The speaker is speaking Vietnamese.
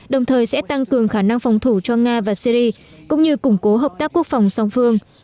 đồng thời sẽ tăng cường khả năng phòng thủ cho nga và syri cũng như củng cố hợp tác quốc phòng song phương